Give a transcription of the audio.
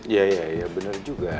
iya bener juga